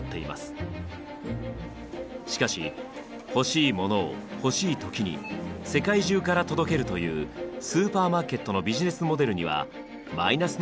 しかし「欲しいものを欲しい時に世界中から届ける」というスーパーマーケットのビジネスモデルにはマイナスの面もありました。